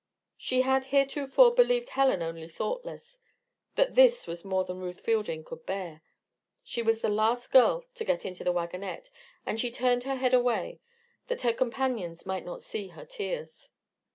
She had heretofore believed Helen only thoughtless. But this was more than Ruth Fielding could bear. She was the last girl to get into the wagonette, and she turned her head away, that her companions might not see her tears.